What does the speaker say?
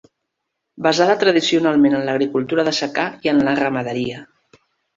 Basada tradicionalment en l'agricultura de secà i en la ramaderia.